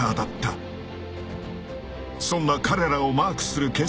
［そんな彼らをマークする警察］